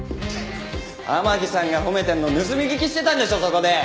天樹さんが褒めてるの盗み聞きしてたんでしょそこで。